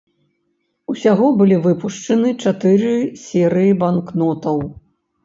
Усяго былі выпушчаны чатыры серыі банкнотаў.